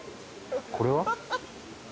これは？